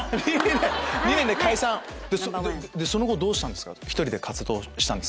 ２年で解散⁉その後１人で活動したんですか？